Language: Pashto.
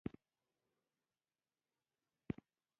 • د کارخانو کارګري اتحادیې رامنځته شوې.